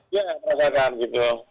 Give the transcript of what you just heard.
iya merasakan gitu